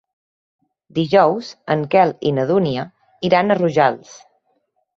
Dijous en Quel i na Dúnia iran a Rojals.